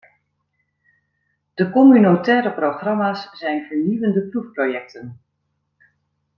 De communautaire programma's zijn vernieuwende proefprojecten.